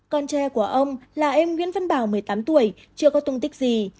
con trai của ông là em nguyễn văn bảo một mươi tám tuổi chưa có tung tích gì